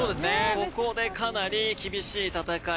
ここでかなり厳しい戦い。